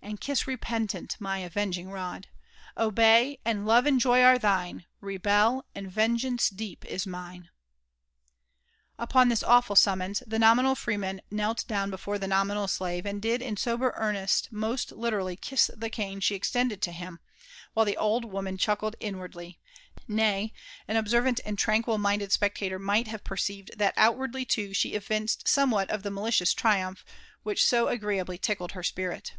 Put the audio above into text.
And kisa repentant my avenging r«d. Obey I and love and joy are thine ! Rebel! aiid vengeance deep is mine 1 124 L1F£ AND ADVENTURES OF Upon this awfal summons, the nominal freeman knelt down before the nominal slave, and did in sober earnest most literally kiss the cane she extended to him, while the old woman chuckled inwardly; nay, an observant and tranquil minded spectator might have perceived that outwardly, too, she evinced somewhat of the malicious triumph which so agreeably tickled her spirit.